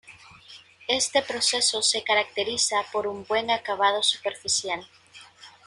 Este proceso se caracteriza por un buen acabado superficial